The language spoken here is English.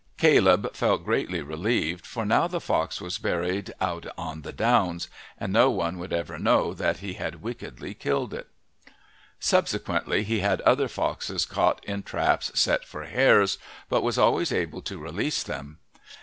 Caleb felt greatly relieved, for now the fox was buried out on the downs, and no one would ever know that he had wickedly killed it. Subsequently he had other foxes caught in traps set for hares, but was always able to release them.